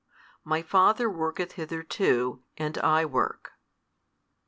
My Father worketh hitherto, and I work.